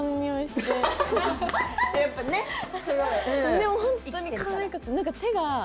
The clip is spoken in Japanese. でもホントにかわいかった。